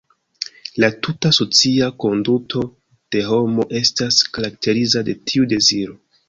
La tuta socia konduto de homo estas karakterizita de tiu deziro.